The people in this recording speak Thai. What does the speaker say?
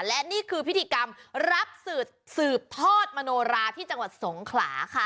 และนี่คือพิธีกรรมรับสืบทอดมโนราที่จังหวัดสงขลาค่ะ